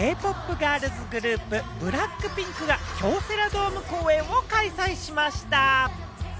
ガールズグループ・ＢＬＡＣＫＰＩＮＫが京セラドーム公演を開催しました。